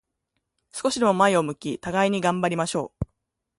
少しでも前を向き、互いに頑張りましょう。